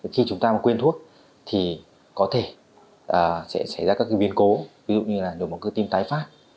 khi chúng ta mà quên thuốc thì có thể sẽ xảy ra các biến cố ví dụ như là nhồi máu cơ tim tái phát